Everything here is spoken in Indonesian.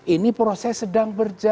ini proses sedang berjalan